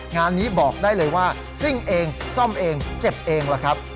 งานนี้บอกได้เลยว่าซิ่งเองซ่อมเองเจ็บเองล่ะครับ